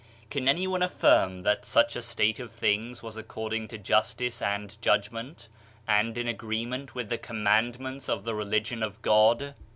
Can anyone affirm that such a state of things was ac cording to justice and judgment, and in agree * ment with the commandments of the religion of God?